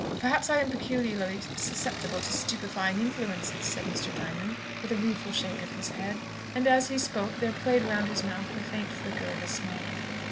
"Perhaps I am peculiarly susceptible to stupefying influences," said Mr. Diamond, with a rueful shake of the head. And, as he spoke, there played round his mouth the faint flicker of a smile.